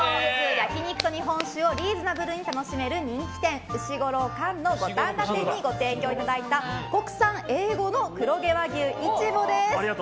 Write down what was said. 焼き肉と日本酒をリーズナブルに楽しめる人気店うしごろ貫の五反田店にご提供いただいた国産Ａ５の黒毛和牛イチボです。